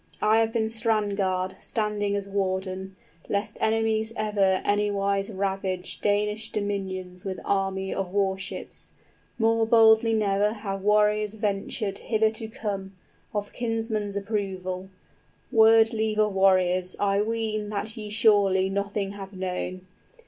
I have been strand guard, standing as warden, Lest enemies ever anywise ravage Danish dominions with army of war ships. 55 More boldly never have warriors ventured Hither to come; of kinsmen's approval, Word leave of warriors, I ween that ye surely {He is struck by Beowulf's appearance.} Nothing have known.